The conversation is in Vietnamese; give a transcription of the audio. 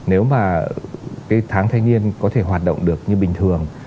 nếu mà cái tháng thay nhiên có thể hoạt động được như bình thường